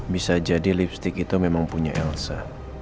bisa jadi lipstick itu memang punya elsa